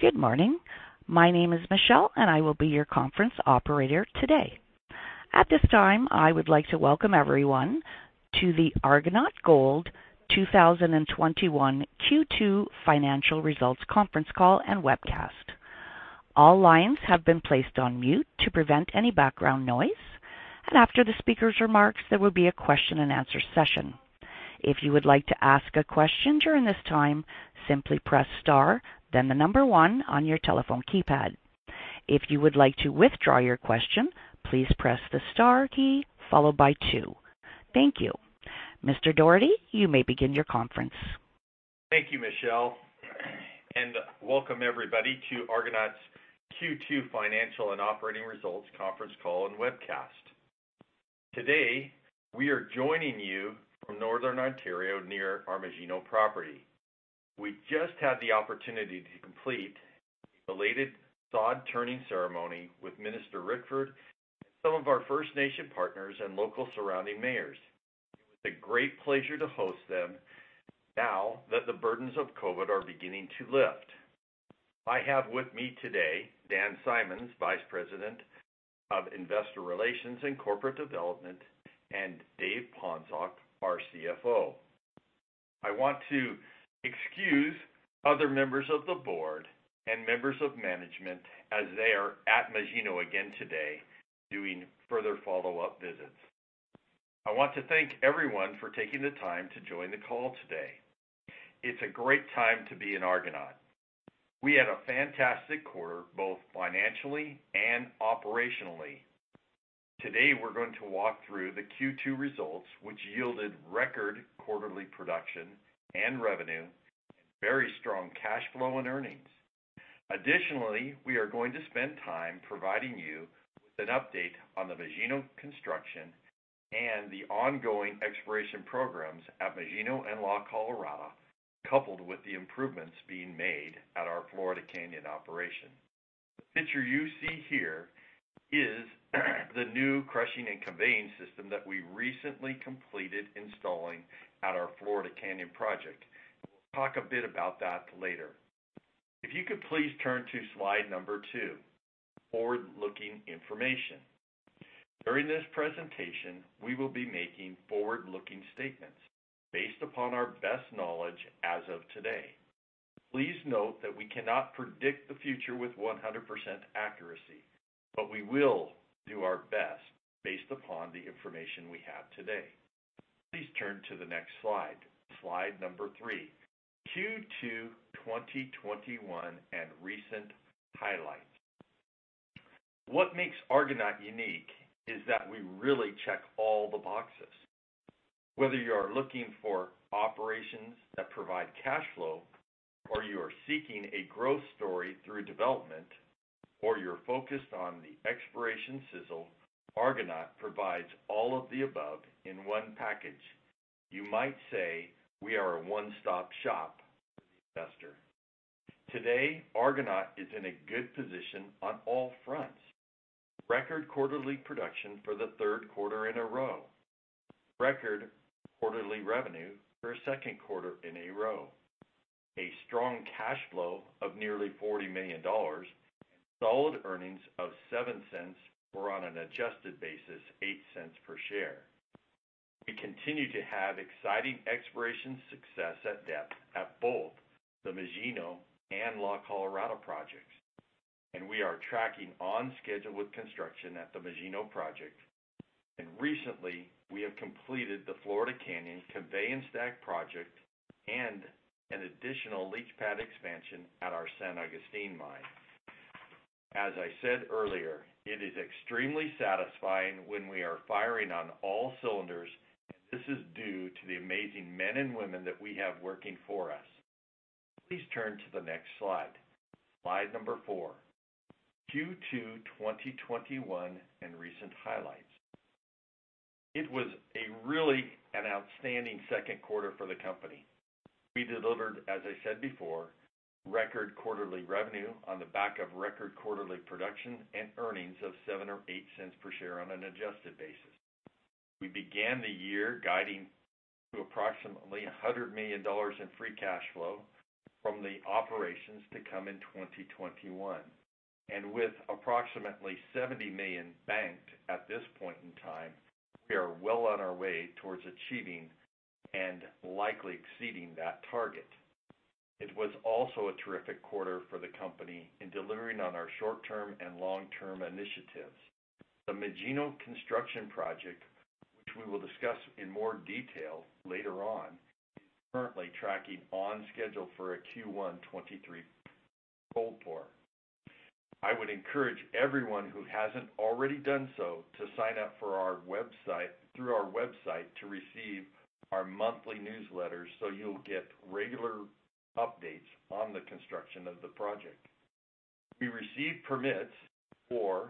Good morning. My name is Michelle, and I will be your conference operator today. At this time, I would like to welcome everyone to the Argonaut Gold 2021 Q2 Financial Results Conference Call and Webcast. All lines have been placed on mute to prevent any background noise, and after the speaker's remarks, there will be a question and answer session. If you would like to ask a question during this time, simply press star, then the number one on your telephone keypad. If you would like to withdraw your question, please press the star key followed by two. Thank you. Mr. Dougherty, you may begin your conference. Thank you, Michelle, and welcome everybody to Argonaut's Q2 Financial and Operating Results Conference Call and Webcast. Today, we are joining you from Northern Ontario near our Magino property. We just had the opportunity to complete a belated sod-turning ceremony with Minister Rickford, some of our First Nation partners, and local surrounding mayors. It was a great pleasure to host them now that the burdens of COVID are beginning to lift. I have with me today Dan Symons, Vice President of Investor Relations and Corporate Development, and Dave Ponczoch, our CFO. I want to excuse other members of the board and members of management as they are at Magino again today doing further follow-up visits. I want to thank everyone for taking the time to join the call today. It's a great time to be in Argonaut. We had a fantastic quarter, both financially and operationally. Today, we're going to walk through the Q2 results, which yielded record quarterly production and revenue, very strong cash flow, and earnings. Additionally, we are going to spend time providing you with an update on the Magino construction and the ongoing exploration programs at Magino and La Colorada, coupled with the improvements being made at our Florida Canyon operation. The picture you see here is the new crushing and conveying system that we recently completed installing at our Florida Canyon project. We'll talk a bit about that later. If you could please turn to slide number two, forward-looking information. During this presentation, we will be making forward-looking statements based upon our best knowledge as of today. Please note that we cannot predict the future with 100% accuracy, but we will do our best based upon the information we have today. Please turn to the next slide number three, Q2 2021 and Recent Highlights. What makes Argonaut unique is that we really check all the boxes. Whether you are looking for operations that provide cash flow, or you are seeking a growth story through development, or you're focused on the exploration sizzle, Argonaut provides all of the above in one package. You might say we are a one-stop-shop for the investor. Today, Argonaut is in a good position on all fronts. Record quarterly production for the third quarter in a row. Record quarterly revenue for a second quarter in a row. A strong cash flow of nearly $40 million. Solid earnings of $0.07 or on an adjusted basis, $0.08 per share. We continue to have exciting exploration success at depth at both the Magino and La Colorada projects, and we are tracking on schedule with construction at the Magino project. Recently, we have completed the Florida Canyon convey and stack project and an additional leach pad expansion at our San Agustin mine. As I said earlier, it is extremely satisfying when we are firing on all cylinders. This is due to the amazing men and women that we have working for us. Please turn to the next slide number four, Q2 2021 and Recent Highlights. It was really an outstanding second quarter for the company. We delivered, as I said before, record quarterly revenue on the back of record quarterly production and earnings of $0.07 or $0.08 per share on an adjusted basis. We began the year guiding to approximately $100 million in free cash flow from the operations to come in 2021. With approximately $70 million banked at this point in time, we are well on our way towards achieving and likely exceeding that target. It was also a terrific quarter for the company in delivering on our short-term and long-term initiatives. The Magino construction project, which we will discuss in more detail later on, is currently tracking on schedule for a Q1 '23 gold pour. I would encourage everyone who hasn't already done so to sign up through our website to receive our monthly newsletter so you'll get regular updates on the construction of the project. We received permits for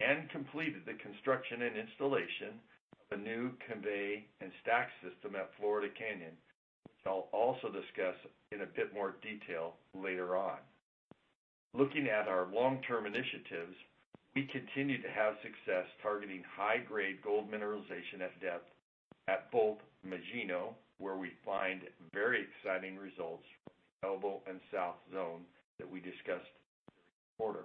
and completed the construction and installation of a new convey and stack system at Florida Canyon, which I'll also discuss in a bit more detail later on. Looking at our long-term initiatives, we continue to have success targeting high-grade gold mineralization at depth at both Magino, where we find very exciting results from the Elbow and South Zone that we discussed this quarter.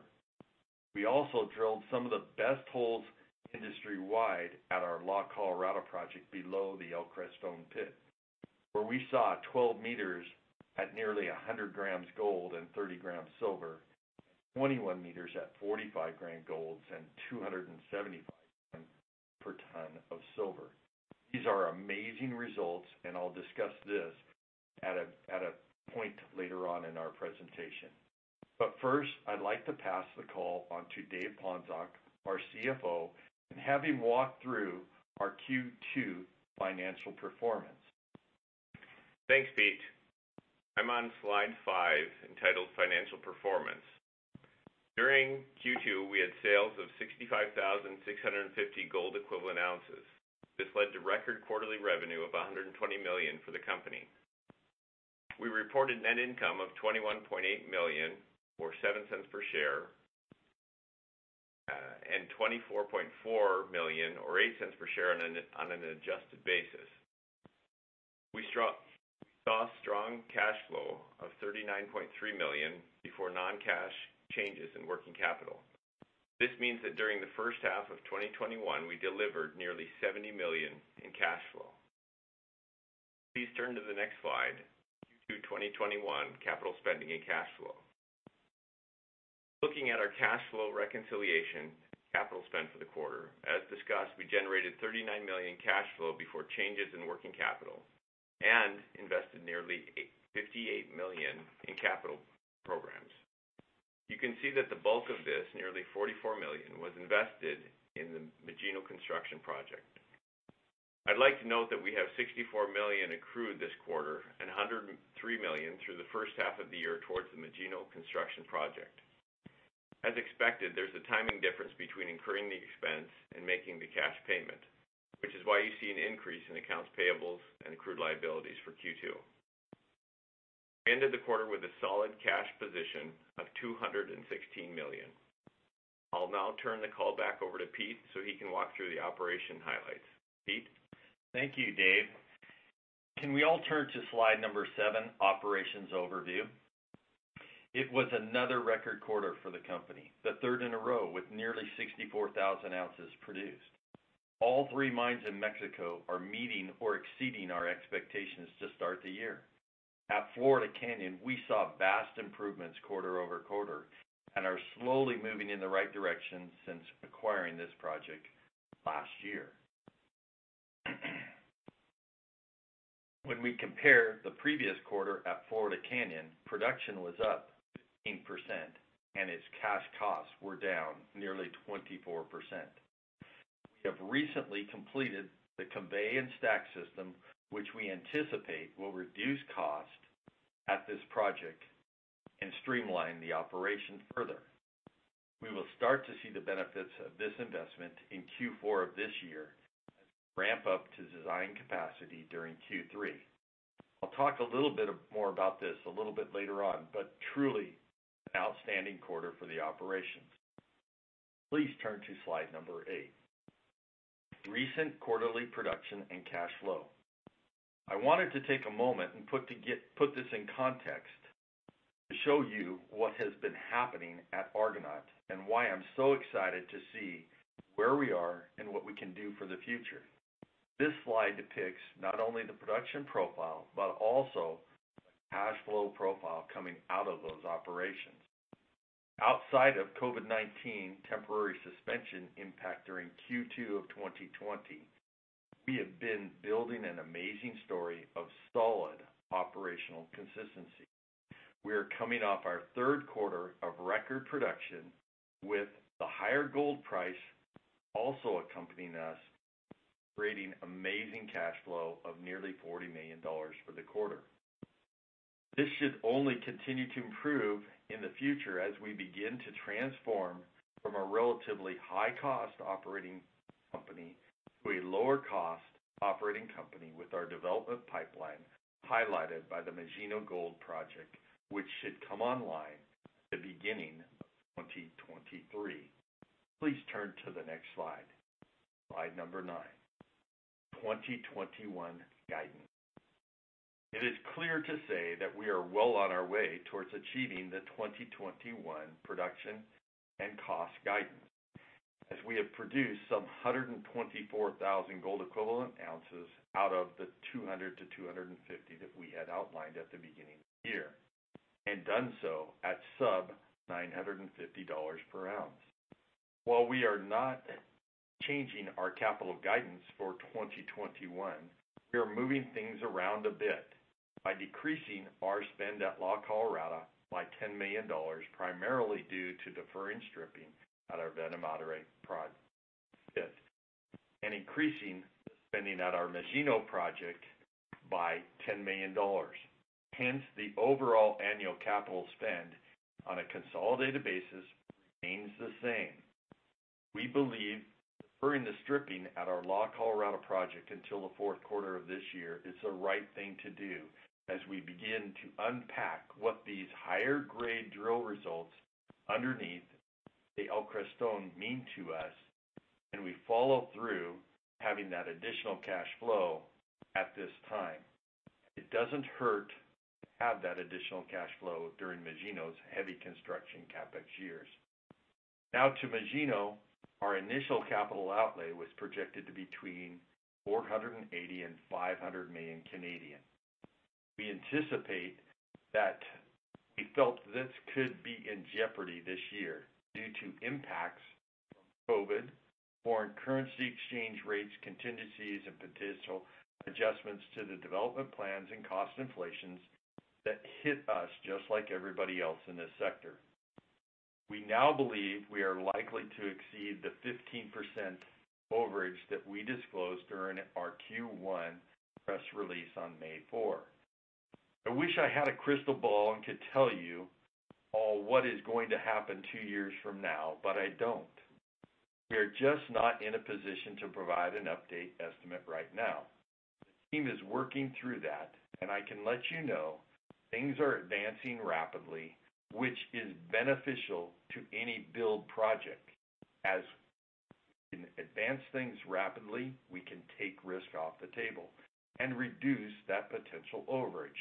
We also drilled some of the best holes industry-wide at our La Colorada project below the El Creston pit, where we saw 12 meters at nearly 100 grams gold and 30 grams silver, 21 meters at 45 grams gold and 275 per ton of silver. These are amazing results, and I'll discuss this at a point later on in our presentation. First, I'd like to pass the call on to Dave Ponczoch, our CFO, and have him walk through our Q2 financial performance. Thanks, Pete. I'm on slide five, entitled Financial Performance. During Q2, we had sales of 65,650 gold equivalent ounces. This led to record quarterly revenue of $120 million for the company. We reported net income of $21.8 million, or $0.07 per share, and $24.4 million or $0.08 per share on an adjusted basis. We saw strong cash flow of $39.3 million before non-cash changes in working capital. This means that during the first half of 2021, we delivered nearly $70 million in cash flow. Please turn to the next slide, Q2 2021 Capital Spending and Cash Flow. Looking at our cash flow reconciliation capital spend for the quarter, as discussed, we generated $39 million cash flow before changes in working capital and invested nearly $58 million in capital programs. You can see that the bulk of this, nearly $44 million, was invested in the Magino Construction project. I'd like to note that we have $64 million accrued this quarter and $103 million through the first half of the year towards the Magino Construction project. As expected, there's a timing difference between incurring the expense and making the cash payment, which is why you see an increase in accounts payables and accrued liabilities for Q2. We ended the quarter with a solid cash position of $216 million. I'll now turn the call back over to Pete so he can walk through the operation highlights. Pete? Thank you, Dave. Can we all turn to slide seven, Operations Overview? It was another record quarter for the company, the 3rd in a row, with nearly 64,000 ounces produced. All three mines in Mexico are meeting or exceeding our expectations to start the year. At Florida Canyon, we saw vast improvements quarter-over-quarter and are slowly moving in the right direction since acquiring this project last year. When we compare the previous quarter at Florida Canyon, production was up 15% and its cash costs were down nearly 24%. We have recently completed the convey and stack system, which we anticipate will reduce cost at this project and streamline the operation further. We will start to see the benefits of this investment in Q4 of this year as we ramp up to design capacity during Q3. I'll talk a little bit more about this a little bit later on, truly an outstanding quarter for the operations. Please turn to slide number 8, Recent Quarterly Production and Cash Flow. I wanted to take a moment and put this in context to show you what has been happening at Argonaut and why I'm so excited to see where we are and what we can do for the future. This slide depicts not only the production profile, but also the cash flow profile coming out of those operations. Outside of COVID-19 temporary suspension impact during Q2 2020, we have been building an amazing story of solid operational consistency. We are coming off our third quarter of record production with the higher gold price also accompanying us, creating amazing cash flow of nearly $40 million for the quarter. This should only continue to improve in the future as we begin to transform from a relatively high-cost operating company to a lower-cost operating company with our development pipeline highlighted by the Magino Gold project, which should come online the beginning of 2023. Please turn to the next slide. Slide number nine, 2021 Guidance. It is clear to say that we are well on our way towards achieving the 2021 production and cost guidance, as we have produced some 124,000 gold equivalent ounces out of the 200-250 that we had outlined at the beginning of the year, and done so at sub $950 per ounce. While we are not changing our capital guidance for 2021, we are moving things around a bit by decreasing our spend at La Colorada by $10 million, primarily due to deferring stripping at our Veta Madre pit, and increasing the spending at our Magino project by $10 million. The overall annual capital spend on a consolidated basis remains the same. We believe deferring the stripping at our La Colorada project until the fourth quarter of this year is the right thing to do as we begin to unpack what these higher grade drill results underneath the El Creston mean to us, and we follow through having that additional cash flow at this time. It doesn't hurt to have that additional cash flow during Magino's heavy construction CapEx years. To Magino. Our initial capital outlay was projected to between 480 million and 500 million. We anticipate that we felt this could be in jeopardy this year due to impacts from COVID, foreign currency exchange rates contingencies, and potential adjustments to the development plans and cost inflations that hit us just like everybody else in this sector. We now believe we are likely to exceed the 15% overage that we disclosed during our Q1 press release on May four. I wish I had a crystal ball and could tell you all what is going to happen two years from now. I don't. We are just not in a position to provide an update estimate right now. The team is working through that. I can let you know things are advancing rapidly, which is beneficial to any build project as we can advance things rapidly, we can take risk off the table and reduce that potential overage.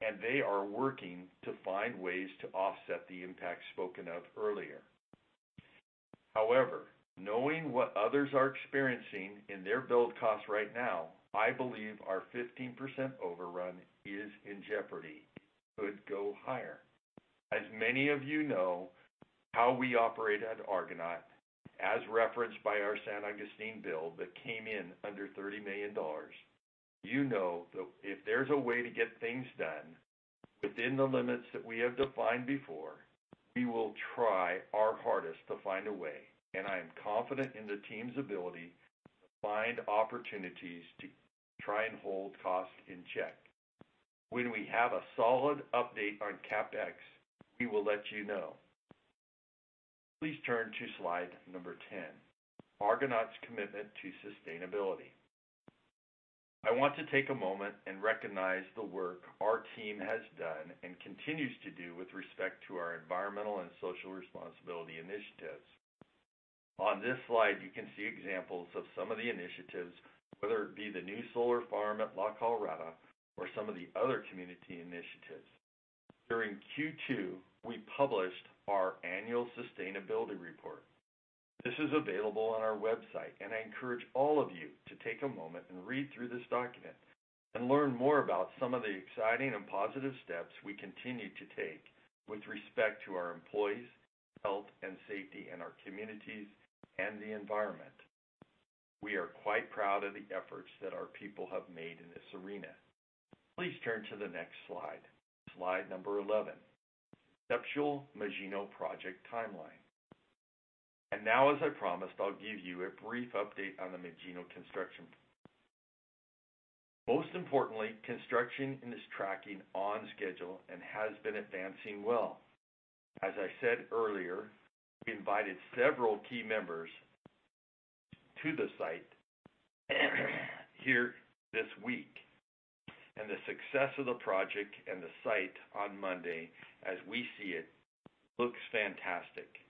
They are working to find ways to offset the impact spoken of earlier. However, knowing what others are experiencing in their build costs right now, I believe our 15% overrun is in jeopardy. It could go higher. As many of you know how we operate at Argonaut, as referenced by our San Agustin build that came in under $30 million. You know that if there's a way to get things done within the limits that we have defined before, we will try our hardest to find a way, and I am confident in the team's ability to find opportunities to try and hold costs in check. When we have a solid update on CapEx, we will let you know. Please turn to slide number 10, Argonaut's commitment to sustainability. I want to take a moment and recognize the work our team has done and continues to do with respect to our environmental and social responsibility initiatives. On this slide, you can see examples of some of the initiatives, whether it be the new solar farm at La Colorada or some of the other community initiatives. During Q2, we published our annual sustainability report. This is available on our website, and I encourage all of you to take a moment and read through this document and learn more about some of the exciting and positive steps we continue to take with respect to our employees' health and safety in our communities and the environment. We are quite proud of the efforts that our people have made in this arena. Please turn to the next slide. Slide number 11, conceptual Magino project timeline. Now, as I promised, I'll give you a brief update on the Magino construction. Most importantly, construction is tracking on schedule and has been advancing well. As I said earlier, we invited several key members to the site here this week, the success of the project and the site on Monday, as we see it, looks fantastic.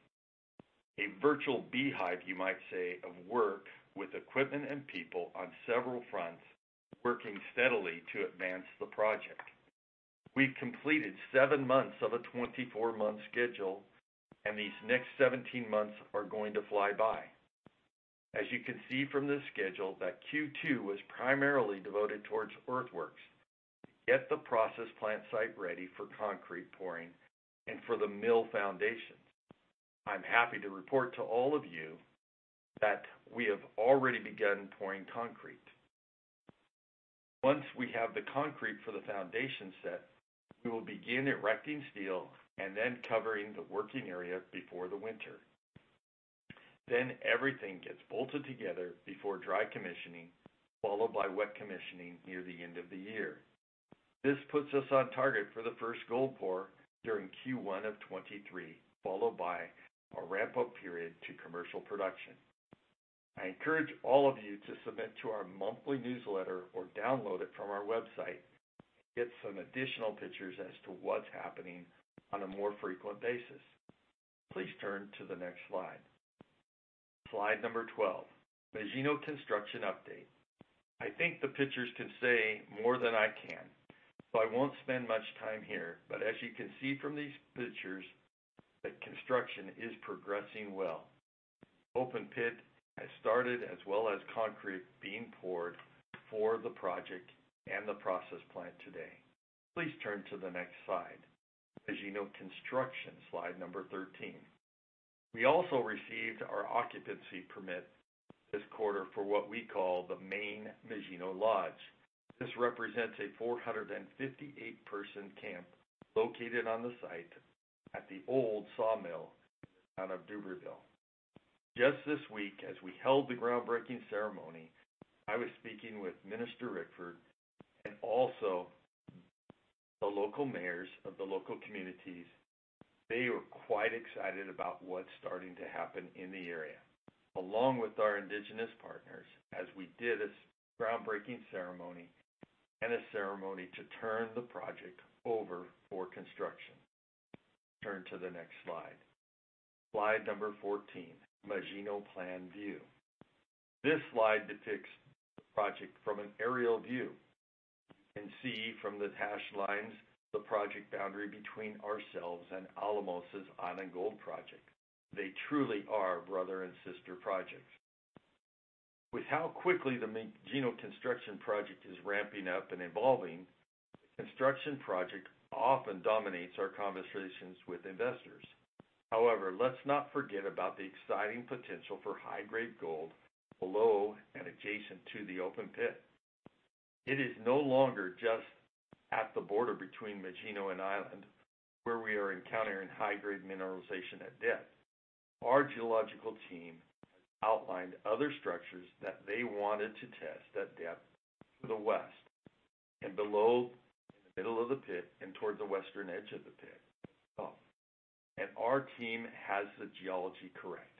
A virtual beehive, you might say, of work with equipment and people on several fronts working steadily to advance the project. We've completed seven months of a 24-month schedule, these next 17 months are going to fly by. As you can see from the schedule, that Q2 was primarily devoted towards earthworks to get the process plant site ready for concrete pouring and for the mill foundations. I'm happy to report to all of you that we have already begun pouring concrete. Once we have the concrete for the foundation set, we will begin erecting steel and then covering the working area before the winter. Everything gets bolted together before dry commissioning, followed by wet commissioning near the end of the year. This puts us on target for the first gold pour during Q1 '23, followed by a ramp-up period to commercial production. I encourage all of you to submit to our monthly newsletter or download it from our website to get some additional pictures as to what's happening on a more frequent basis. Please turn to the next slide. Slide number 11, Magino construction update. I think the pictures can say more than I can, so I won't spend much time here, but as you can see from these pictures that construction is progressing well. Open pit has started, as well as concrete being poured for the project and the process plant today. Please turn to the next slide. Magino construction, slide 13. We also received our occupancy permit this quarter for what we call the main Magino lodge. This represents a 458-person camp located on the site at the old sawmill in the town of Dubreuilville. Just this week, as we held the groundbreaking ceremonyAnd a ceremony to turn the project over for construction. Turn to the next slide. Slide 14, Magino plan view. This slide depicts the project from an aerial view. You can see from the dashed lines the project boundary between ourselves and Alamos' Island Gold project. They truly are brother and sister projects. With how quickly the Magino Construction Project is ramping up and evolving, the construction project often dominates our conversations with investors. However, let's not forget about the exciting potential for high-grade gold below and adjacent to the open pit. It is no longer just at the border between Magino and Island, where we are encountering high-grade mineralization at depth. Our geological team outlined other structures that they wanted to test at depth to the west, and below in the middle of the pit, and towards the western edge of the pit. Our team has the geology correct.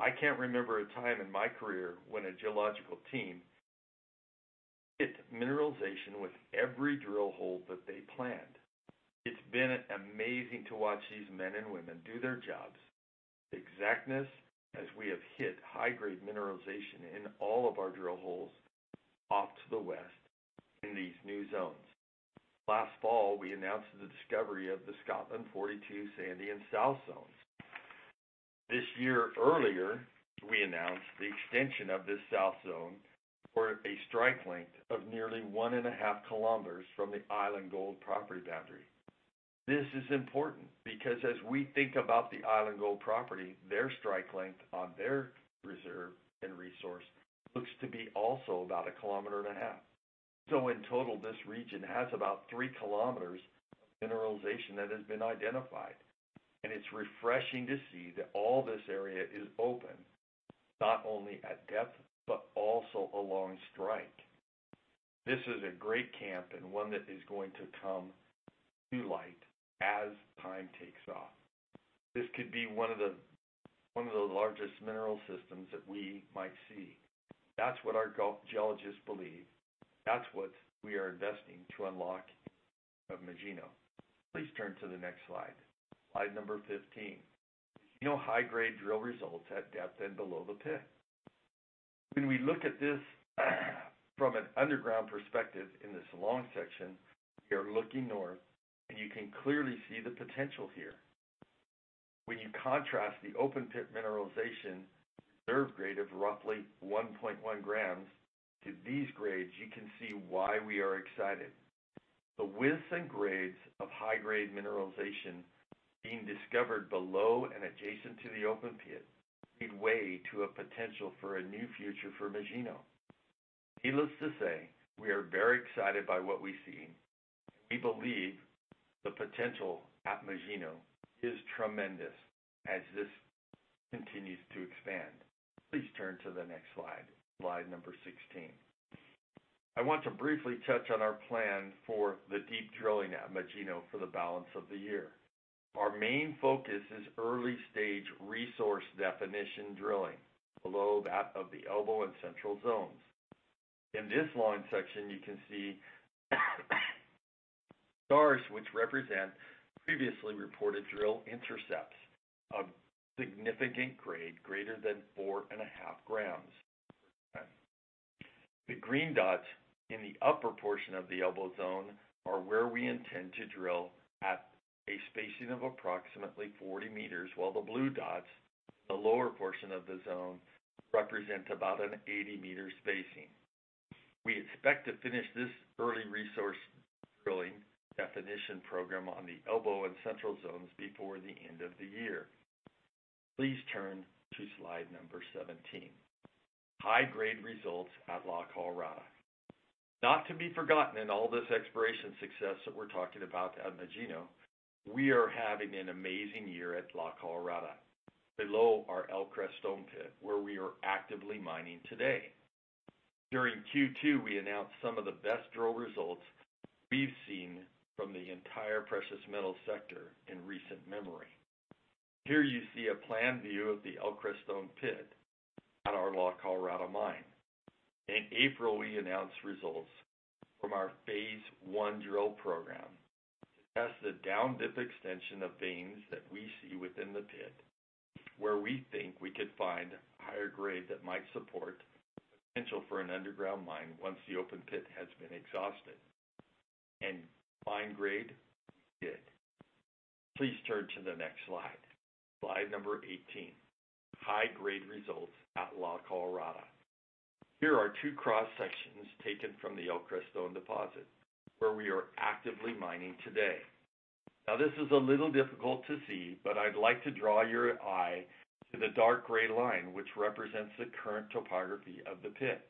I can't remember a time in my career when a geological team hit mineralization with every drill hole that they planned. It's been amazing to watch these men and women do their jobs with exactness, as we have hit high-grade mineralization in all of our drill holes off to the west in these new zones. Last fall, we announced the discovery of the Scotland, #42, Sandy, and South Zones. This year earlier, we announced the extension of the South Zone for a strike length of nearly 1.5 km from the Island Gold property boundary. This is important because as we think about the Island Gold property, their strike length on their reserve and resource looks to be also about 1.5 km. In total, this region has about three km of mineralization that has been identified, and it's refreshing to see that all this area is open, not only at depth but also along strike. This is a great camp and one that is going to come to light as time takes off. This could be one of the largest mineral systems that we might see. That's what our geologists believe. That's what we are investing to unlock of Magino. Please turn to the next slide. Slide number 15. Magino high-grade drill results at depth and below the pit. When we look at this from an underground perspective in this long section, we are looking north, and you can clearly see the potential here. When you contrast the open pit mineralization reserve grade of roughly 1.1 grams to these grades, you can see why we are excited. The widths and grades of high-grade mineralization being discovered below and adjacent to the open pit lead way to a potential for a new future for Magino. Needless to say, we are very excited by what we see. We believe the potential at Magino is tremendous as this continues to expand. Please turn to the next slide 16. I want to briefly touch on our plan for the deep drilling at Magino for the balance of the year. Our main focus is early-stage resource definition drilling below that of the Elbow and Central Zones. In this line section, you can see stars which represent previously reported drill intercepts of significant grade greater than 4.5 grams. The green dots in the upper portion of the Elbow Zone are where we intend to drill at a spacing of approximately 40 meters, while the blue dots, the lower portion of the zone, represent about an 80-meter spacing. We expect to finish this early resource drilling definition program on the Elbow and Central Zones before the end of the year. Please turn to slide 17. High-grade results at La Colorada. Not to be forgotten in all this exploration success that we're talking about at Magino, we are having an amazing year at La Colorada below our El Creston pit where we are actively mining today. During Q2, we announced some of the best drill results we've seen from the entire precious metal sector in recent memory. Here you see a plan view of the El Creston pit at our La Colorada mine. In April, we announced results from our phase one drill program to test the down-dip extension of veins that we see within the pit where we think we could find higher grade that might support the potential for an underground mine once the open pit has been exhausted. Mine grade, we did. Please turn to the next slide. Slide number 18, high-grade results at La Colorada. Here are two cross-sections taken from the El Creston deposit where we are actively mining today. This is a little difficult to see, but I'd like to draw your eye to the dark gray line, which represents the current topography of the pit.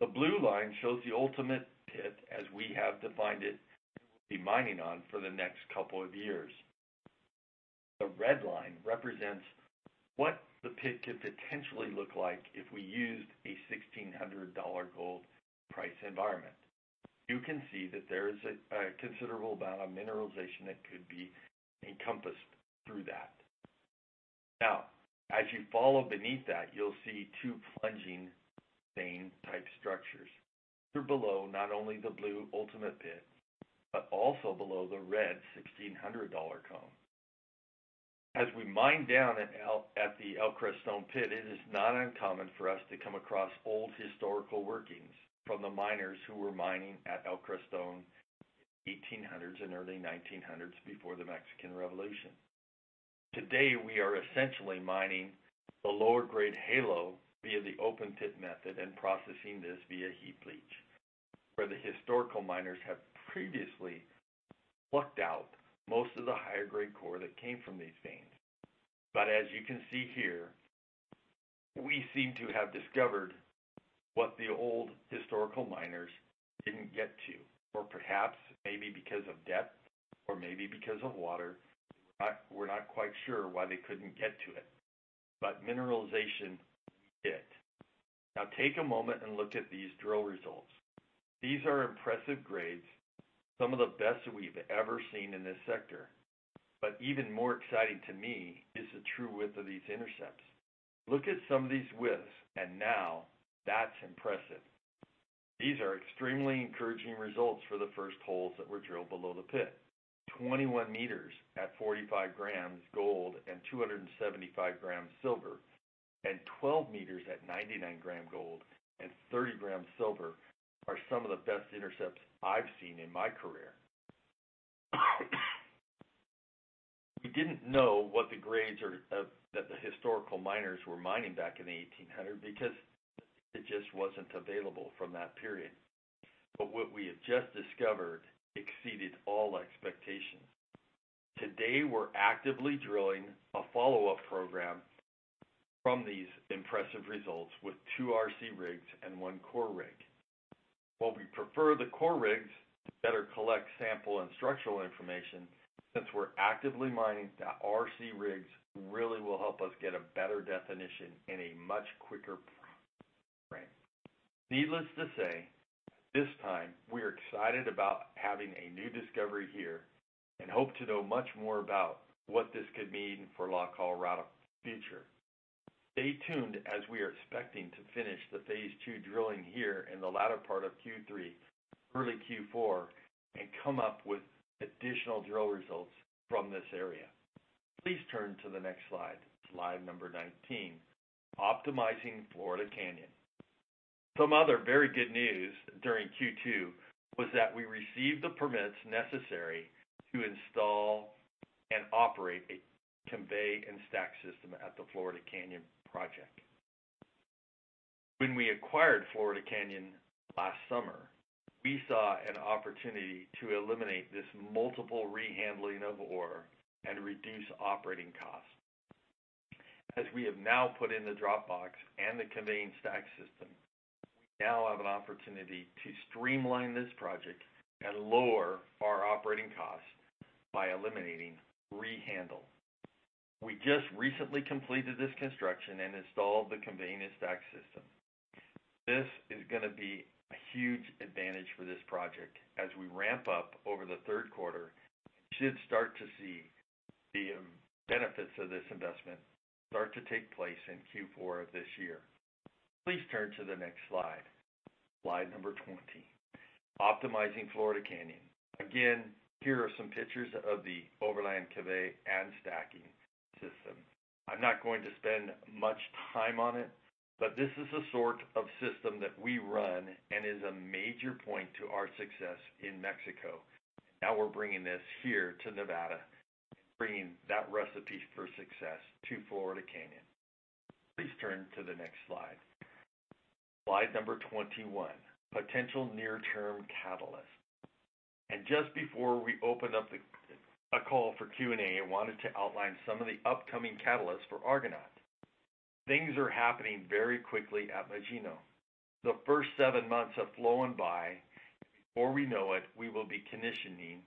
The blue line shows the ultimate pit as we have defined it, we will be mining on for the next couple of years. The red line represents what the pit could potentially look like if we used a $1,600 gold price environment. You can see that there is a considerable amount of mineralization that could be encompassed through that. As you follow beneath that, you'll see two plunging vein type structures. They're below not only the blue ultimate pit, but also below the red $1,600 cone. As we mine down at the El Creston pit, it is not uncommon for us to come across old historical workings from the miners who were mining at El Creston in the 1800s and early 1900s before the Mexican Revolution. Today, we are essentially mining the lower grade halo via the open pit method and processing this via heap leach. Where the historical miners have previously plucked out most of the higher grade core that came from these veins. As you can see here, we seem to have discovered what the old historical miners didn't get to, or perhaps maybe because of depth or maybe because of water. We're not quite sure why they couldn't get to it, mineralization we did. Now take a moment and look at these drill results. These are impressive grades, some of the best we've ever seen in this sector. Even more exciting to me is the true width of these intercepts. Look at some of these widths and now that's impressive. These are extremely encouraging results for the first holes that were drilled below the pit. 21 meters at 45 grams gold and 275 grams silver, and 12 meters at 99 grams gold and 30 grams silver are some of the best intercepts I've seen in my career. We didn't know what the grades that the historical miners were mining back in the 1800s because it just wasn't available from that period. What we have just discovered exceeded all expectations. Today, we're actively drilling a follow-up program from these impressive results with two RC rigs and one core rig. While we prefer the core rigs to better collect sample and structural information, since we're actively mining, the RC rigs really will help us get a better definition in a much quicker frame. Needless to say, this time we're excited about having a new discovery here and hope to know much more about what this could mean for La Colorada's future. Stay tuned as we are expecting to finish the phase two drilling here in the latter part of Q3, early Q4, and come up with additional drill results from this area. Please turn to the next slide 19, Optimizing Florida Canyon. Some other very good news during Q2 was that we received the permits necessary to install and operate a convey and stack system at the Florida Canyon project. When we acquired Florida Canyon last summer, we saw an opportunity to eliminate this multiple rehandling of ore and reduce operating costs. As we have now put in the drop box and the conveying stack system, we now have an opportunity to streamline this project and lower our operating costs by eliminating rehandle. We just recently completed this construction and installed the conveying and stack system. This is going to be a huge advantage for this project as we ramp up over the third quarter and should start to see the benefits of this investment start to take place in Q4 of this year. Please turn to the next slide 20, Optimizing Florida Canyon. Again, here are some pictures of the overland convey and stacking system. I'm not going to spend much time on it, but this is the sort of system that we run and is a major point to our success in Mexico. Now we're bringing this here to Nevada and bringing that recipe for success to Florida Canyon. Please turn to the next slide number 21, Potential Near-Term Catalysts. Just before we open up a call for Q&A, I wanted to outline some of the upcoming catalysts for Argonaut. Things are happening very quickly at Magino. The first seven months have flown by, and before we know it, we will be commissioning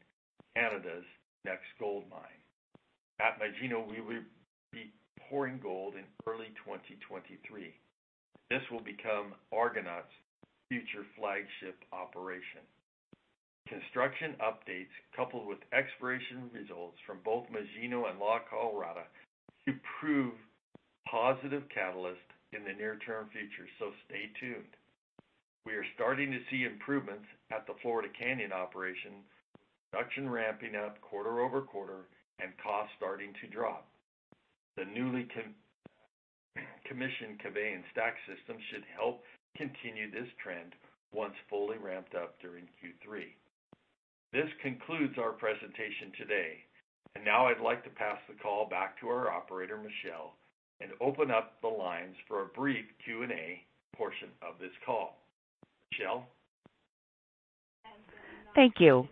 Canada's next gold mine. At Magino, we will be pouring gold in early 2023. This will become Argonaut's future flagship operation. Construction updates coupled with exploration results from both Magino and La Colorada should prove positive catalyst in the near-term future, so stay tuned. We are starting to see improvements at the Florida Canyon operation, with production ramping up quarter-over-quarter and costs starting to drop. The newly commissioned convey and stack system should help continue this trend once fully ramped up during Q3. This concludes our presentation today. Now I'd like to pass the call back to our operator, Michelle, and open up the lines for a brief Q&A portion of this call. Michelle? Thank you.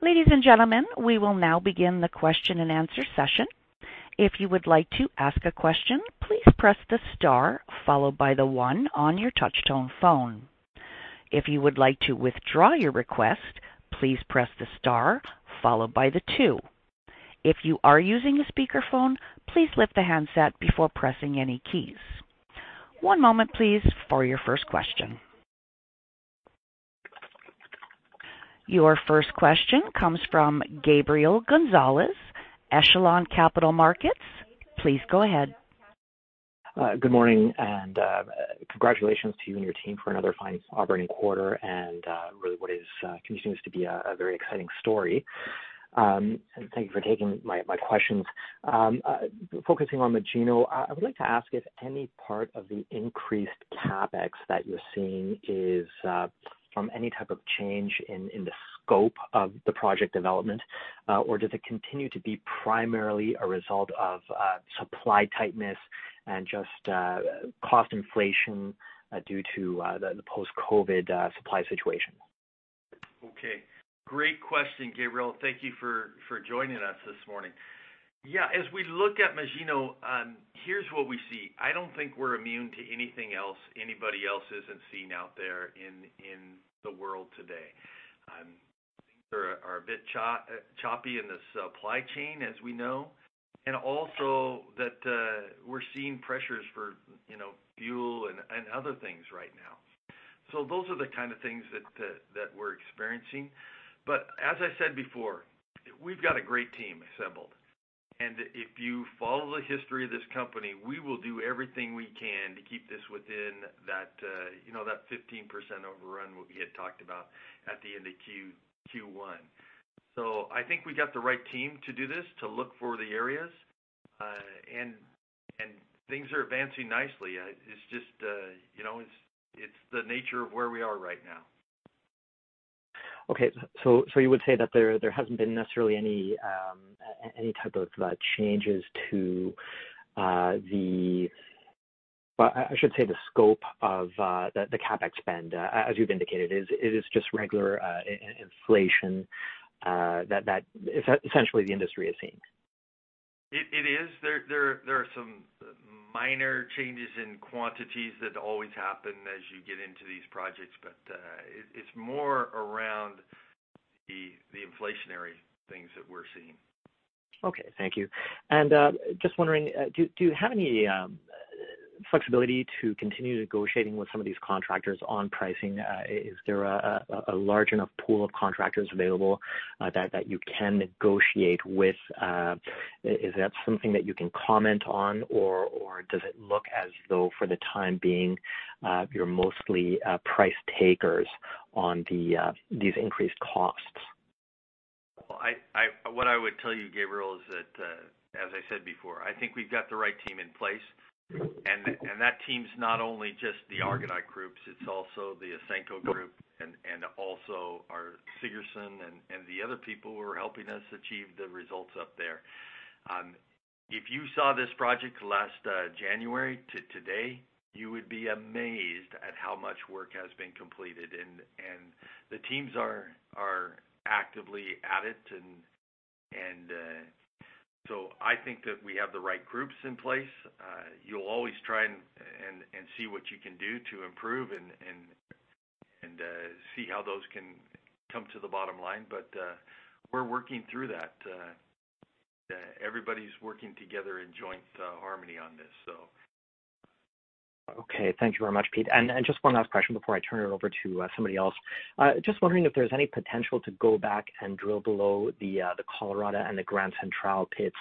Ladies and gentlemen, we will now begin the question and answer session. Your first question comes from Gabriel Gonzalez, Echelon Capital Markets. Please go ahead. Good morning and congratulations to you and your team for another fine operating quarter and really what continues to be a very exciting story. Thank you for taking my questions. Focusing on Magino, I would like to ask if any part of the increased CapEx that you're seeing is from any type of change in the scope of the project development, or does it continue to be primarily a result of supply tightness and just cost inflation due to the post-COVID supply situation? Okay. Great question, Gabriel. Thank you for joining us this morning. Yeah. As we look at Magino, here's what we see. I don't think we're immune to anything else anybody else isn't seeing out there in the world today. Things are a bit choppy in the supply chain, as we know, and also that we're seeing pressures for fuel and other things right now. Those are the kind of things that we're experiencing. As I said before, we've got a great team assembled, and if you follow the history of this company, we will do everything we can to keep this within that 15% overrun what we had talked about at the end of Q1. I think we got the right team to do this, to look for the areas, and things are advancing nicely. It's the nature of where we are right now. You would say that there hasn't been necessarily any type of changes to the, I should say, the scope of the CapEx spend, as you've indicated. It is just regular inflation that essentially the industry is seeing. It is. There are some minor changes in quantities that always happen as you get into these projects, but it's more around the inflationary things that we're seeing. Okay. Thank you. Just wondering, do you have any flexibility to continue negotiating with some of these contractors on pricing? Is there a large enough pool of contractors available that you can negotiate with? Is that something that you can comment on, or does it look as though, for the time being, you're mostly price takers on these increased costs? What I would tell you, Gabriel, is that, as I said before, I think we have got the right team in place. That team's not only just the Argonaut group, it's also the Ausenco group and also Sigfusson and the other people who are helping us achieve the results up there. If you saw this project last January to today, you would be amazed at how much work has been completed, and the teams are actively at it. I think that we have the right groups in place. You will always try and see what you can do to improve and see how those can come to the bottom line. We are working through that. Everybody's working together in joint harmony on this. Okay. Thank you very much, Pete. Just one last question before I turn it over to somebody else. Just wondering if there's any potential to go back and drill below the La Colorada and the Gran Central pits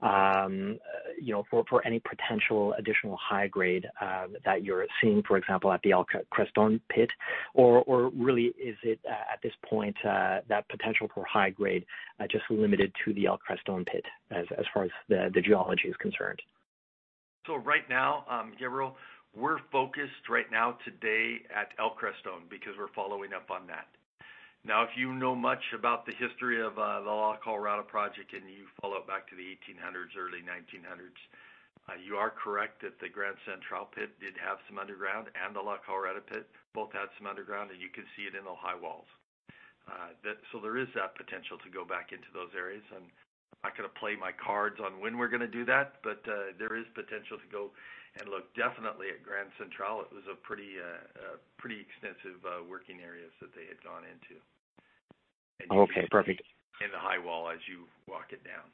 for any potential additional high grade that you're seeing, for example, at the El Creston pit. Or really is it, at this point, that potential for high grade just limited to the El Creston pit as far as the geology is concerned? Right now, Gabriel, we're focused right now today at El Creston, because we're following up on that. If you know much about the history of the La Colorada project and you follow it back to the 1800s, early 1900s, you are correct that the Gran Central pit did have some underground, and the La Colorada pit both had some underground, and you could see it in the high walls. There is that potential to go back into those areas, and I'm not going to play my cards on when we're going to do that, but there is potential to go and look definitely at Gran Central. It was a pretty extensive working areas that they had gone into. Okay, perfect. You can see it in the high wall as you walk it down.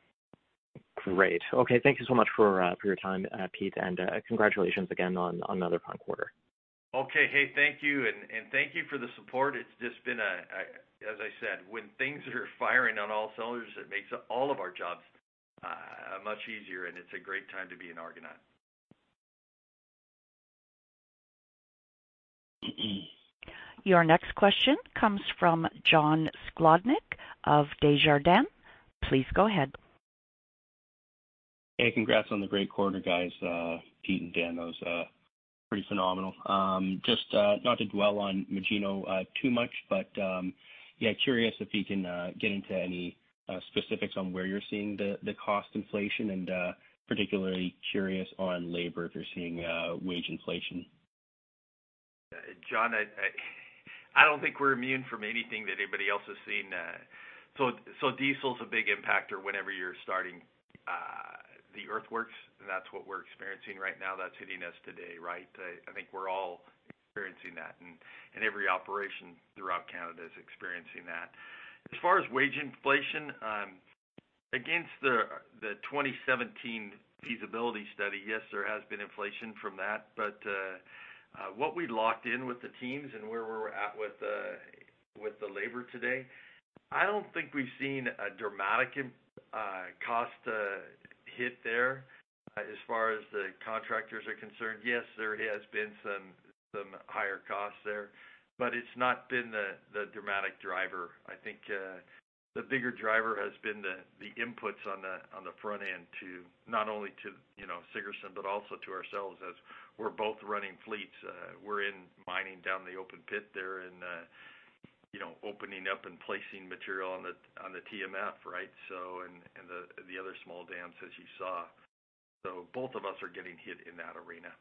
Great. Okay, thank you so much for your time, Pete, and congratulations again on another fine quarter. Okay. Hey, thank you. Thank you for the support. As I said, when things are firing on all cylinders, it makes all of our jobs much easier. It's a great time to be an Argonaut. Your next question comes from John Sclodnick of Desjardins. Please go ahead. Hey, congrats on the great quarter, guys. Pete and Dan, that was pretty phenomenal. Just not to dwell on Magino too much, but yeah, curious if you can get into any specifics on where you're seeing the cost inflation and particularly curious on labor, if you're seeing wage inflation. John, I don't think we're immune from anything that anybody else has seen. diesel's a big impactor whenever you're starting the earthworks, and that's what we're experiencing right now. That's hitting us today, right. I think we're all experiencing that, and every operation throughout Canada is experiencing that. As far as wage inflation, against the 2017 feasibility study, yes, there has been inflation from that. what we locked in with the teams and where we're at with the labor today, I don't think we've seen a dramatic cost hit there. As far as the contractors are concerned, yes, there has been some higher costs there, but it's not been the dramatic driver. I think the bigger driver has been the inputs on the front end to not only to Sigfusson, but also to ourselves as we're both running fleets. We're in mining down the open pit there and opening up and placing material on the TMF, and the other small dams, as you saw. Both of us are getting hit in that arena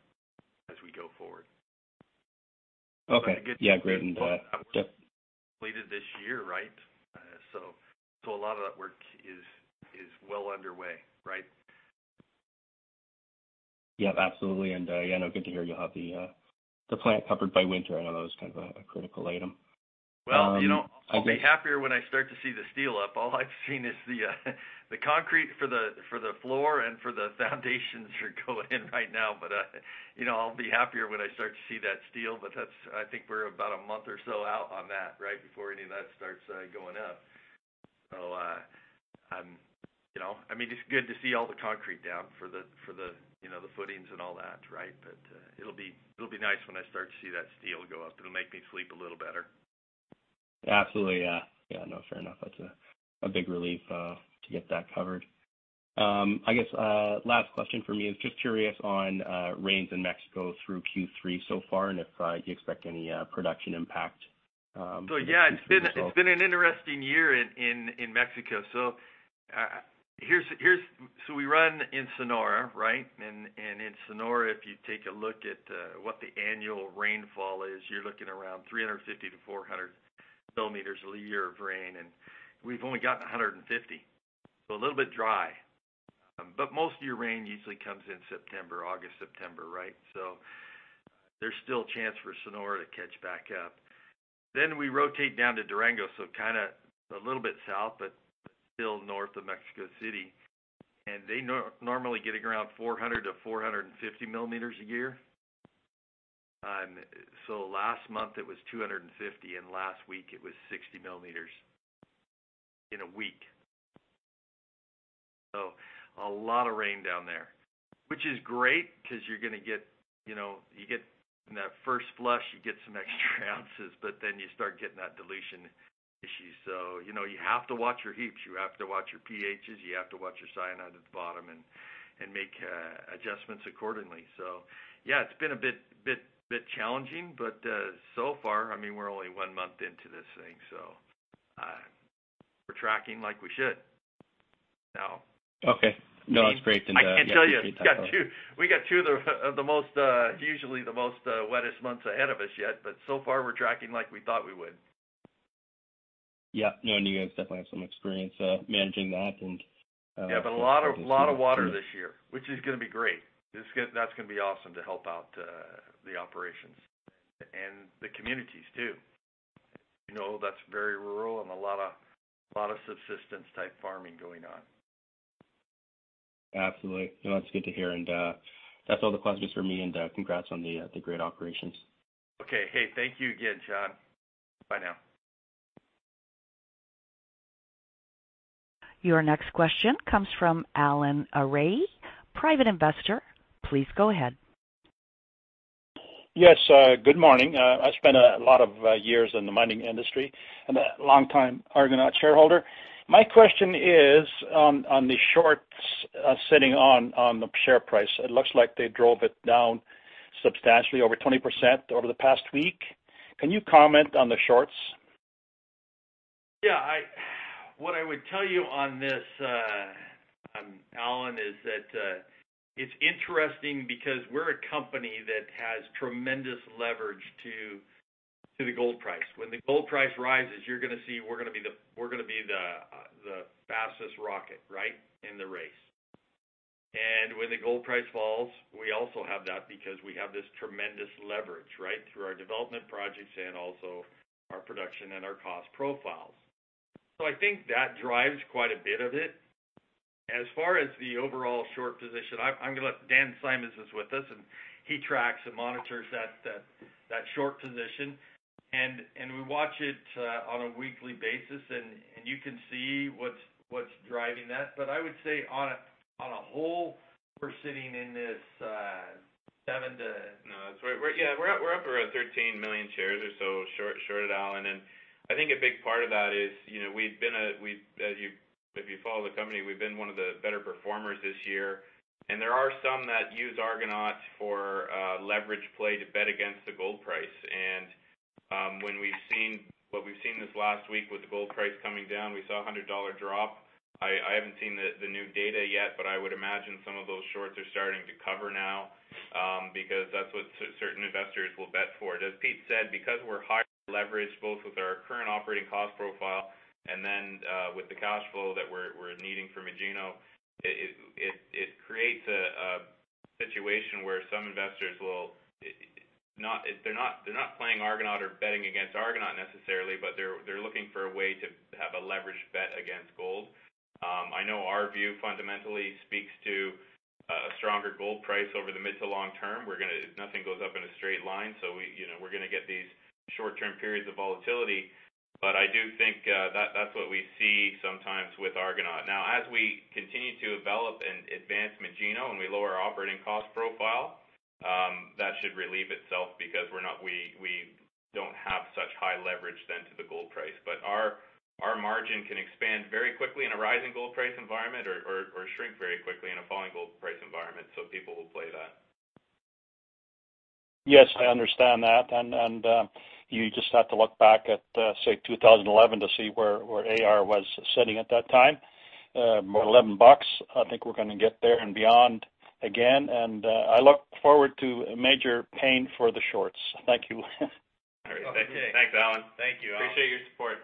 as we go forward. Okay. Yeah, great. Completed this year. A lot of that work is well underway. Yep, absolutely. Good to hear you'll have the plant covered by winter. I know that was a critical item. Well, I'll be happier when I start to see the steel up. All I've seen is the concrete for the floor and for the foundations are going in right now. I'll be happier when I start to see that steel. I think we're about one month or so out on that, before any of that starts going up. It's good to see all the concrete down for the footings and all that. It'll be nice when I start to see that steel go up. It'll make me sleep a little better. Absolutely. Yeah. Fair enough. That's a big relief to get that covered. I guess last question from me is just curious on rains in Mexico through Q3 so far, and if you expect any production impact. Yeah, it's been an interesting year in Mexico. We run in Sonora. In Sonora, if you take a look at what the annual rainfall is, you're looking around 350 - 400 millimeters a year of rain, and we've only gotten 150. A little bit dry. Most of your rain usually comes in September. August, September. There's still a chance for Sonora to catch back up. We rotate down to Durango, so a little bit south, but still north of Mexico City. They normally get around 400 - 450 millimeters a year. Last month it was 250, and last week it was 60 millimeters in a week. A lot of rain down there, which is great because you're going to get, in that first flush, you get some extra ounces, but then you start getting that dilution issue. You have to watch your heaps, you have to watch your pHs, you have to watch your cyanide at the bottom and make adjustments accordingly. Yeah, it's been a bit challenging. So far, we're only one month into this thing, so we're tracking like we should now. Okay. No, that's great. I can tell you, we got two of usually the most wettest months ahead of us yet, but so far we're tracking like we thought we would. Yeah. No, you guys definitely have some experience managing that. A lot of water this year, which is going to be great. That's going to be awesome to help out the operations and the communities too. That's very rural and a lot of subsistence type farming going on. Absolutely. No, that's good to hear. That's all the questions from me. Congrats on the great operations. Okay. Hey, thank you again, John. Bye now. Your next question comes from Alan Ray, private investor. Please go ahead. Yes, good morning. I spent a lot of years in the mining industry and a longtime Argonaut shareholder. My question is on the shorts sitting on the share price. It looks like they drove it down substantially, over 20% over the past week. Can you comment on the shorts? Yeah. What I would tell you on this, Allen, is that it's interesting because we're a company that has tremendous leverage to the gold price. When the gold price rises, you're going to see we're going to be the fastest rocket in the race. When the gold price falls, we also have that because we have this tremendous leverage through our development projects and also our production and our cost profiles. I think that drives quite a bit of it. As far as the overall short position, Dan Symons is with us, and he tracks and monitors that short position. We watch it on a weekly basis, and you can see what's driving that. I would say on a whole, we're sitting in this seven to- No, that's right. We're up around 13 million shares or so short, Allen. I think a big part of that is, if you follow the company, we've been one of the better performers this year. There are some that use Argonaut for leverage play to bet against the gold price. What we've seen this last week with the gold price coming down, we saw $100 drop. I haven't seen the new data yet, but I would imagine some of those shorts are starting to cover now, because that's what certain investors will bet for. As Pete said, because we're highly leveraged, both with our current operating cost profile and then with the cash flow that we're needing from Magino, it creates a situation where some investors will, they're not playing Argonaut or betting against Argonaut necessarily, but they're looking for a way to have a leveraged bet against gold. I know our view fundamentally speaks to a stronger gold price over the mid to long term. Nothing goes up in a straight line. We're going to get these short-term periods of volatility. I do think that's what we see sometimes with Argonaut. Now, as we continue to develop and advance Magino and we lower our operating cost profile, that should relieve itself because we don't have such high leverage then to the gold price. Our margin can expand very quickly in a rising gold price environment or shrink very quickly in a falling gold price environment, so people will play that. Yes, I understand that. You just have to look back at, say, 2011 to see where AR was sitting at that time. $11. I think we're going to get there and beyond again, and I look forward to major pain for the shorts. Thank you. All right. Thanks, Allen. Thank you, Alan Ray Appreciate your support.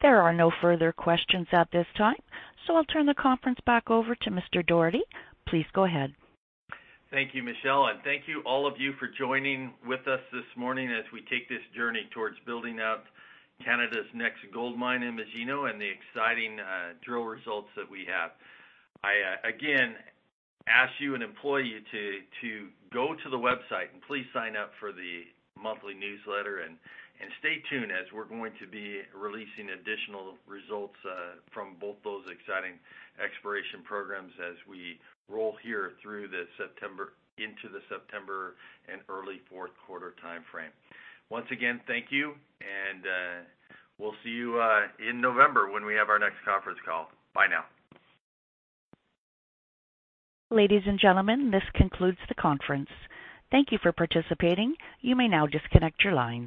There are no further questions at this time. I'll turn the conference back over to Mr. Dougherty. Please go ahead. Thank you, Michelle. Thank you, all of you, for joining with us this morning as we take this journey towards building out Canada's next gold mine in Magino and the exciting drill results that we have. I, again, ask you and implore you to go to the website and please sign up for the monthly newsletter and stay tuned as we're going to be releasing additional results from both those exciting exploration programs as we roll here through into the September and early fourth quarter timeframe. Once again, thank you, and we'll see you in November when we have our next conference call. Bye now. Ladies and gentlemen, this concludes the conference. Thank you for participating. You may now disconnect your lines.